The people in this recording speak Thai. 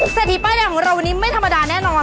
เศรษฐีป้ายแดงของเราวันนี้ไม่ธรรมดาแน่นอน